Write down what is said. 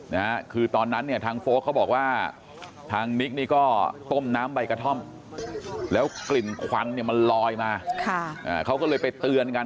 น้ำใบกระท่อมแล้วกลิ่นควันมันลอยมาเขาก็เลยไปเตือนกัน